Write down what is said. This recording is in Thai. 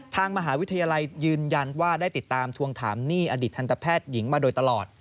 ทางมหาวิทยาลัยยืนยันว่าได้ติดตามทวงถามหนี้อดีตทันตแพทย์หญิงมาโดยตลอด